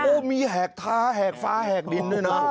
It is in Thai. โอ้โหมีแหกท้าแหกฟ้าแหกดินด้วยนะ